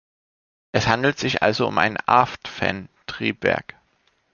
Es handelt sich also um ein Aft-Fan-Triebwerk.